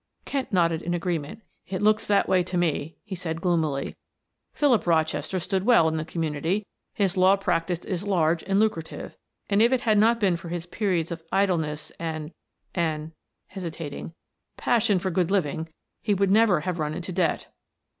Kent nodded in agreement. "It looks that way to me," he said gloomily. "Philip Rochester stood well in the community, his law practice is large and lucrative, and if it had not been for his periods of idleness and and" hesitating "passion for good living, he would never have run into debt."